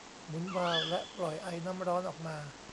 หมุนวาล์วและปล่อยไอน้ำร้อนออกมา